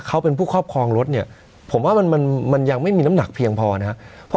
เขาเป็นผู้ครอบครองรถเนี่ยผมว่ามันยังไม่มีน้ำหนักเพียงพอนะครับ